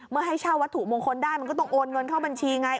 ให้เช่าวัตถุมงคลได้มันก็ต้องโอนเงินเข้าบัญชีไง